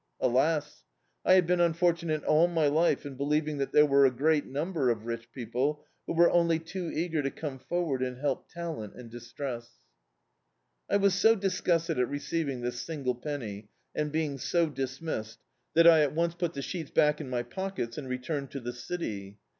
Alas! I have been imfortunate all my life in believing that there were a great number of rich people who were only too eager to come forward and help talent in dis tress. I was so disgusted at receiving this single penny, and being so dismissed, that I at once put the sheets back in my pockets and returned to the city.